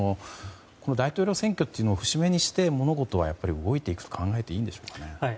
大統領選挙というのを節目にして物事は動いていくと考えていいんでしょうか。